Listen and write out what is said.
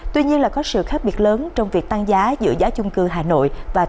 tuy nhiên có sự khác biệt lớn trong việc tăng giá giữa giá chung cư hà nội và tp hcm